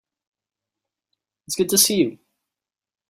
It's good to see you.